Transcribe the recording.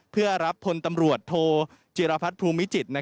เพื่อรับพลตำรวจโทจิรพัฒน์ภูมิจิตร